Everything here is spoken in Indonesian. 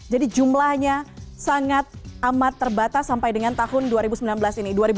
jadi jumlahnya sangat amat terbatas sampai dengan tahun dua ribu sembilan belas ini